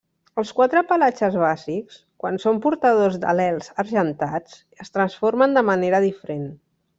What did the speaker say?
Els quatre pelatges bàsics, quan són portadors d'al·lels argentats, es transformen de manera diferent.